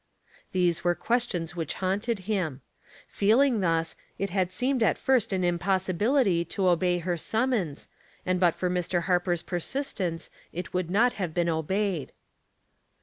These were questions which haunted him. Feeling thus, it had seemed at first an impossibility to obey her summons, and but for Mr. Harper's persist ence it would not have been obeyed.